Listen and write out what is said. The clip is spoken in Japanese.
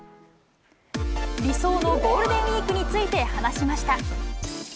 理想のゴールデンウィークについて話しました。